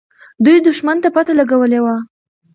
دوی دښمن ته پته لګولې وه.